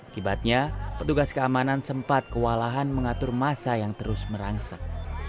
kibatnya petugas keamanan sempat kewalahan mengatur masa yang terus merangsak